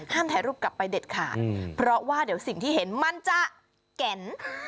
ถ่ายรูปกลับไปเด็ดขาดเพราะว่าเดี๋ยวสิ่งที่เห็นมันจะแก่น